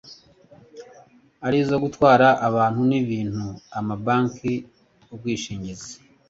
arizo gutwara abantu n ibintu amabanki ubwishingizi